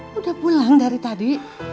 sudah pulang dari tadi